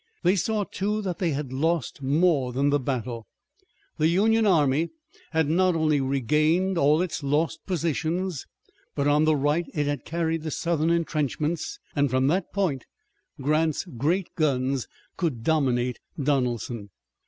They saw, too, that they had lost more than the battle. The Union army had not only regained all its lost positions, but on the right it had carried the Southern intrenchments, and from that point Grant's great guns could dominate Donelson.